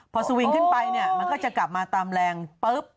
พอสวิงขึ้นไปเนี่ยมันก็จะกลับมาตามแรงปุ๊บ